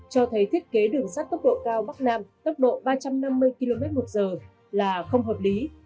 cho thấy thiết kế đường sắt tốc độ cao bắc nam tốc độ ba trăm năm mươi km một giờ là không hợp lý